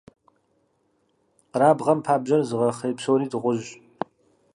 Къэрабгъэм пабжьэр зыгъэхъей псори дыгъужь.